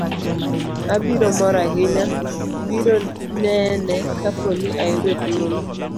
abiro mor ahinya biro nene kapo ni ayudo thuolo